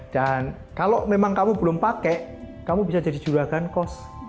dan kalau memang kamu belum pakai kamu bisa jadi juragan kos